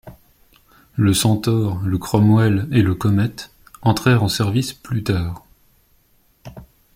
Le Centaur, le Cromwell et le Comet entrèrent en service plus tard.